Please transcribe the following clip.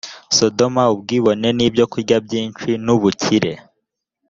sodomu ubwibone n ibyokurya byinshi n ubukire